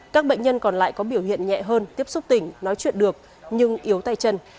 các bệnh nhân còn lại có biểu hiện nhẹ hơn tiếp xúc tỉnh nói chuyện được nhưng yếu tay chân